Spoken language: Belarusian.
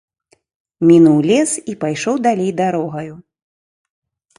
Мінуў лес і пайшоў далей дарогаю.